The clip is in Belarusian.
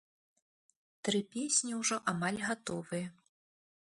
Тры песні ўжо амаль гатовыя.